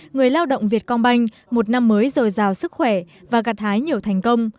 người lao động việt công banh một năm mới rồi giàu sức khỏe và gạt hái nhiều thành công